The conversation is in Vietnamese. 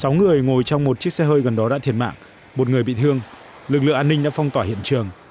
sáu người ngồi trong một chiếc xe hơi gần đó đã thiệt mạng một người bị thương lực lượng an ninh đã phong tỏa hiện trường